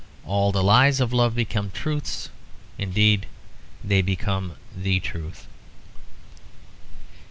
All the lies of love become truths; indeed they become the Truth.